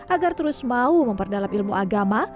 agar terus mau memperdalam ilmu agama